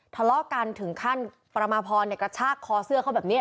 ทะเลาะกันถึงขั้นประมาพรกระชากคอเสื้อเขาแบบนี้